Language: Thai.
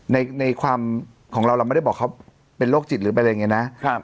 ในความของเราเราไม่ได้บอกเขาเป็นโรคจิตหรือเป็นอะไรอย่างนี้นะ